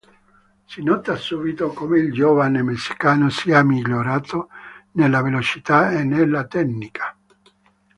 Si nota subito come il giovane messicano sia migliorato nella velocità e nella tecnica.